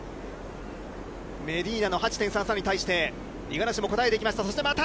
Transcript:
メディーナの８．３３に対して、五十嵐も応えていきました。